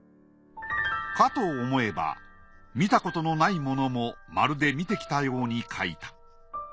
かと思えば見たことのないものもまるで見てきたように描いた。